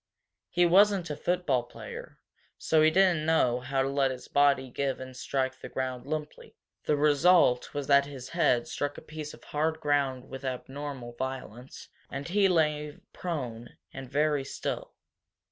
He wasn't a football player, so he didn't know how to let his body give and strike the ground limply. The result was that his head struck a piece of hard ground with abnormal violence, and he lay prone and very still.